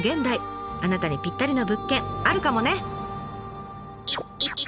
あなたにぴったりの物件あるかもね！